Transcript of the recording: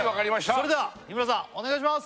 それでは日村さんお願いします！